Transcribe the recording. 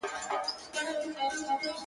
د اوبو نه کوچ اوباسي.